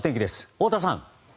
太田さん。